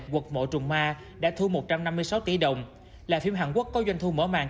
quật mộ trùng ma đã thu một trăm năm mươi sáu tỷ đồng là phim hàn quốc có doanh thu mở màn